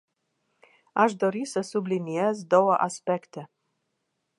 Aș dori să subliniez două aspecte.